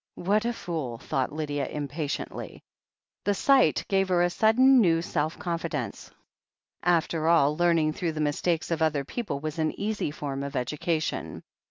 What a fool, thought Lydia impatiently. The sight gave her a sudden, new self confidence. After all, learning through the mistakes of other people was an easy form of education.